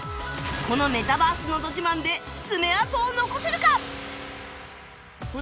このメタバースのど自慢で爪痕を残せるか？